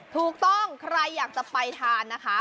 ถูกต้องใครอยากจะไปทานนะคะ